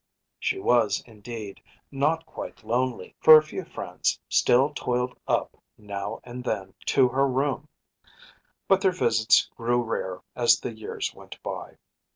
She was, indeed, not quite lonely, for a few friends still toiled up now and then to her room; but their visits grew rare as the years went by.